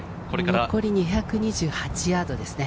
残り２２８ヤードですね。